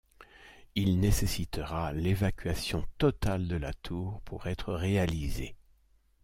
Il nécessitera l'évacuation totale de la tour pour être réalisé.